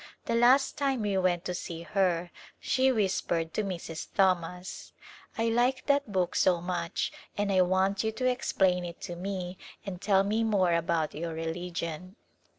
The last time we went to see her she whispered to Mrs. Thomas, " I like that book so much, and I want you to explain it to me and tell me more about your religion."